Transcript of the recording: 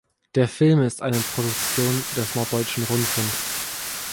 Der Film ist eine Produktion des Norddeutschen Rundfunks.